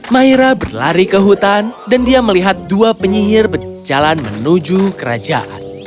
maira berlari ke hutan dan dia melihat dua penyihir berjalan menuju kerajaan